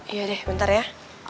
iya deh bentar ya